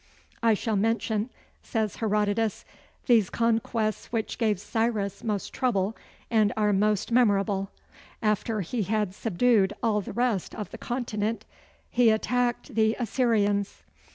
"I shall mention (says Herodotus) these conquests which gave Cyrus most trouble, and are most memorable: after he had subdued all the rest of the continent, he attacked the Assyrians."